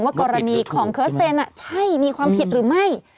กรณีของเคิร์สเซนใช่มีความผิดหรือไม่